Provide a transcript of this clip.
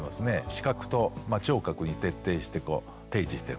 視覚と聴覚に徹底して提示していくと。